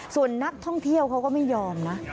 ส่วนนักท่องเที่ยวเขาก็ไม่ยอมนะ